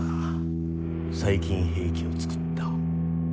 細菌兵器を作った。